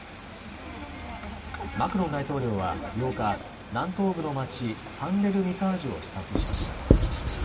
マクロン大統領は８日、南東部の町、タンレルミタージュを視察しました。